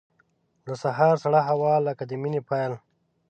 د سهار سړه هوا لکه د مینې پیل.